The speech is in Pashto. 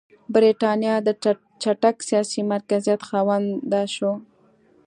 برېټانیا د چټک سیاسي مرکزیت خاونده شوه.